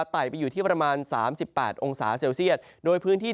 ไต่ไปอยู่ที่ประมาณสามสิบแปดองศาเซลเซียตโดยพื้นที่